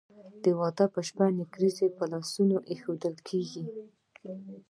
د واده په شپه نکریزې په لاسونو کیښودل کیږي.